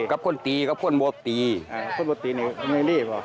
ค่ะบอตตีแยลลี่หรือเปล่า